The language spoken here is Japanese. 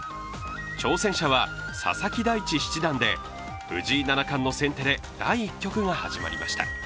挑戦者は佐々木大地七段で、藤井七冠の先手で第１局が始まりました。